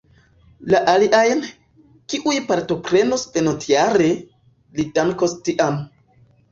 La aliajn, kiuj partoprenos venontjare, li dankos tiam.